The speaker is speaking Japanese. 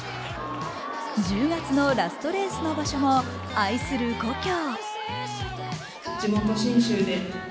１０月のラストレースの場所も愛する故郷。